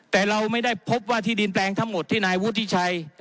แต่เราไม่ได้พบว่าที่ดินแปลงทั้งหมดที่นายวุฒิชัย